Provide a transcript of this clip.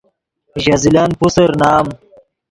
ژے زلن پوسر نام